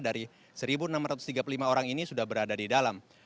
dari satu enam ratus tiga puluh lima orang ini sudah berada di dalam